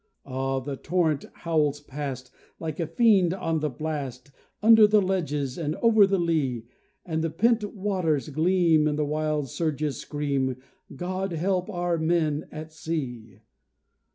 Ah! the torrent howls past, like a fiend on the blast, Under the ledges and over the lea; And the pent waters gleam, and the wild surges scream God help our men at sea!